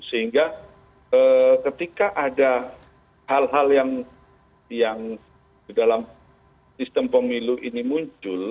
sehingga ketika ada hal hal yang di dalam sistem pemilu ini muncul